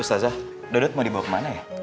ustazah dodot mau dibawa kemana ya